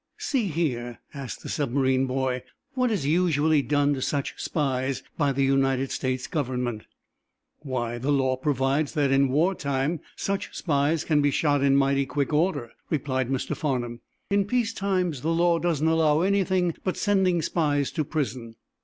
"See here," asked the submarine boy, "what is usually done to such spies by the United States Government?" "Why, the law provides that, in war time, such spies can be shot in mighty quick order," replied Mr. Farnum. "In peace times the law doesn't allow anything but sending spies to prison."